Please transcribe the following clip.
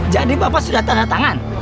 jadi bapak sudah tanda tangan